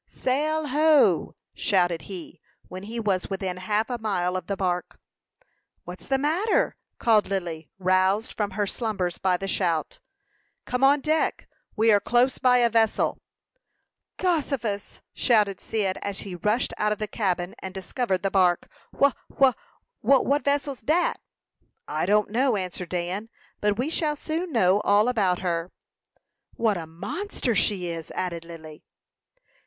"Sail ho!" shouted he, when he was within half a mile of the bark. "What's the matter?" called Lily, roused from her slumbers by the shout. "Come on deck. We are close by a vessel." "Gossifus!" shouted Cyd, as he rushed out of the cabin, and discovered the bark. "Wha wha what vessel's dat?" "I don't know," answered Dan; "but we shall soon know all about her." "What a monster she is!" added Lily.